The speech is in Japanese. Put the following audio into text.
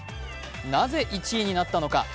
なぜ１位になったのか？